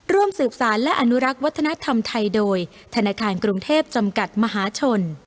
ร่วมสืบสารและอนุรักษ์วัฒนธรรมไทยโดยธนาคารกรุงเทพจำกัดมหาชน